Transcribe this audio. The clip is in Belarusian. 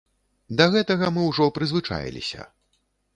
Да гэтага мы ўжо прызвычаіліся.